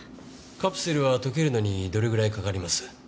カプセルは溶けるのにどれぐらいかかります？